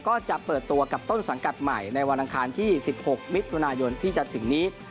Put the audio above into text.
ก็จะเปิดตัวกับต้นสังกัดใหม่ในวันอังคารที่๑๖มิถุนายนที่จะถึงนี้